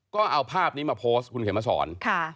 ก็เอาภาพนี้มาโพสต์คุณเขียนมาสอน